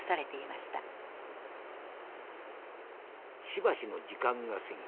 「しばしの時間が過ぎた。